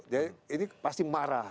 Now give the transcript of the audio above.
jadi ini pasti marah